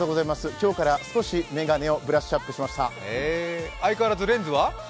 今日から少し眼鏡をブラッシュアップしました